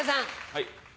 はい。